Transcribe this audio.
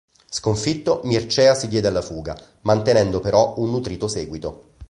Sconfitto, Mircea si diede alla fuga, mantenendo però un nutrito seguito.